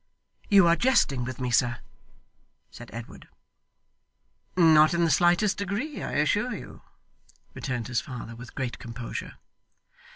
'You are jesting with me, sir,' said Edward. 'Not in the slightest degree, I assure you,' returned his father with great composure.